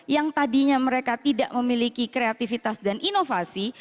yang tadinya mereka tidak memiliki kreativitas dan inovasi